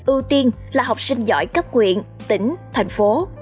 ưu tiên là học sinh giỏi cấp huyện tỉnh thành phố